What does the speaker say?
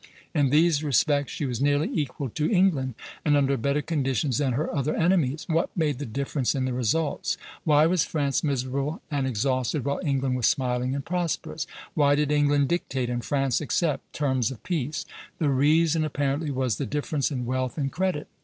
In these respects she was nearly equal to England, and under better conditions than her other enemies. What made the difference in the results? Why was France miserable and exhausted, while England was smiling and prosperous? Why did England dictate, and France accept, terms of peace? The reason apparently was the difference in wealth and credit.